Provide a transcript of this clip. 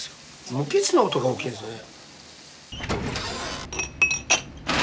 無機質な音が大きいんですね。